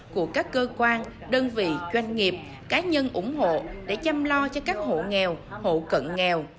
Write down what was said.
của các cơ quan đơn vị doanh nghiệp cá nhân ủng hộ để chăm lo cho các hộ nghèo hộ cận nghèo